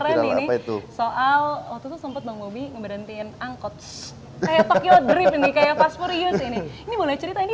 ngeberhentiin angkot kayak tokyo drift ini kayak pasporius ini ini boleh cerita ini